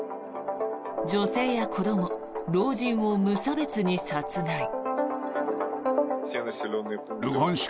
女性や子ども、老人を無差別に殺害。